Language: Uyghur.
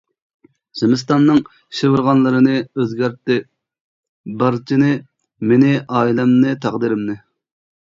زىمىستاننىڭ شىۋىرغانلىرىنى، ئۆزگەرتتى بارچىنى، مېنى ئائىلەمنى، تەقدىرىمنى.